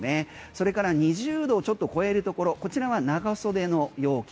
それから２０度をちょっと超えるところこちらは長袖の陽気